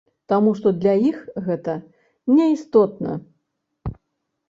Таму што для іх гэта неістотна.